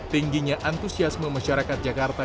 tingginya antusiasme masyarakat jakarta